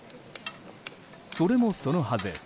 それもそのはず